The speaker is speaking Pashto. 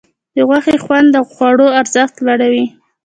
د غوښې خوند د خوړو ارزښت لوړوي.